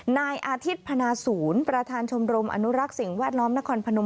นายอาทิตย์พนาศูนย์ประธานชมรมอนุรักษ์สิ่งแวดล้อมนครพนม